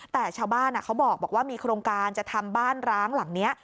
แต่ชาวบ้านเขาบอกว่ามีโครงการจะทำบ้านร้างหลังนี้